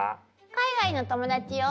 海外の友達よ。